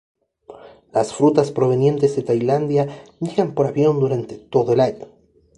Las frutas provenientes de Tailandia llegan por avión durante todo el año.